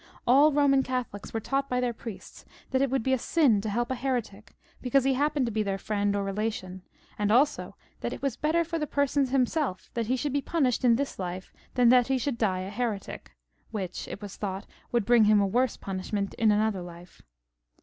All Eoman Catholics were taught by their priests that it would be a sin to help a heretic because he happened to be their friend or relation, and also that it was better for the person himseK that he should be punished in this life, than that he should die a heretic, which, it was thought, would bring him worse punishment in another life.